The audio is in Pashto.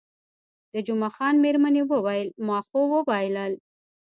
د جمعه خان میرمنې وویل، ما خو وبایلل.